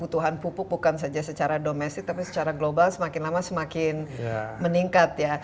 kebutuhan pupuk bukan saja secara domestik tapi secara global semakin lama semakin meningkat ya